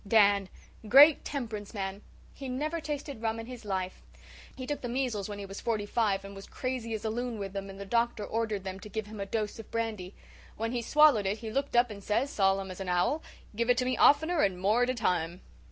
DAN: "Great temperance man! He never tasted rum in his life. He took the measles when he was forty five and was crazy as a loon with them, and the doctor ordered them to give him a dose of brandy. When he swallowed it he looked up and says, solemn as an owl, 'Give it to me oftener and more at a time.